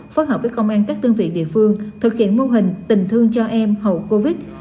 phối hợp với công an các đơn vị địa phương thực hiện mô hình tình thương cho em hậu covid